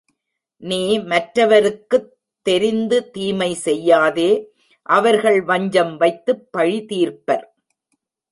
நீ மற்றவருக்குத் தெரிந்து தீமை செய்யாதே அவர்கள் வஞ்சம் வைத்துப் பழிதீர்ப்பர்.